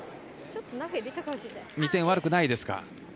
２点は悪くないですか。